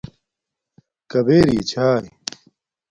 کبݺ رݵ چھݳئݺ؟